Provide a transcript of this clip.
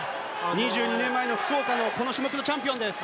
２２年前の福岡でのこの種目のチャンピオンです。